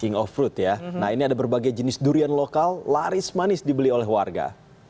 king of fruit ya nah ini ada berbagai jenis durian lokal laris manis dibeli oleh warga